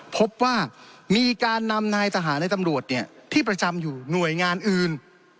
พบว่ามีการเอานายตำรวจเนี่ยที่ประจำอยู่หน่วยงานอื่น